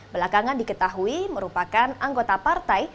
belakangan diketahui merupakan anggota partai